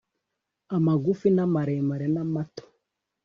amagufi na maremare namato